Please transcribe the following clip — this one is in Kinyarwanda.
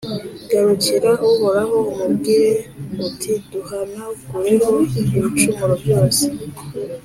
Garukira Uhoraho, umubwire uti«Duhanagureho ibicumuro byose